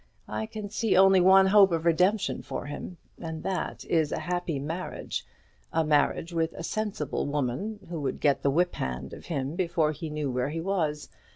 I can see only one hope of redemption for him, and that is a happy marriage; a marriage with a sensible woman, who would get the whip hand of him before he knew where he was.